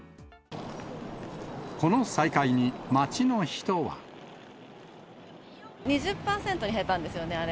この再開に、２０％に減ったんですよね、あれ。